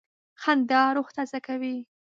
خندا روح تازه کوي.